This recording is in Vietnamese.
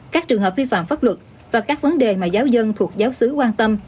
các trường hợp vi phạm pháp luật và các vấn đề mà giáo dân thuộc giáo sứ quan tâm